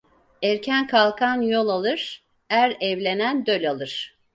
Erken kalkan yol alır, er evlenen döl alır.